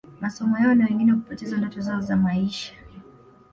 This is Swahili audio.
masomo yao na wengine kupoteza ndoto zao za maisha